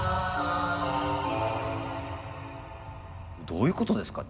どういうことですか？